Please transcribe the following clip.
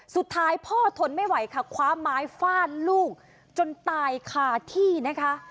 สุดท้ายพ่อทนไม่ไหวค่ะคว้าไม้ฟาดลูกจนตายคาที่นะคะ